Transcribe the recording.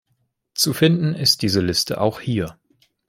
Zu finden ist diese Liste auch hier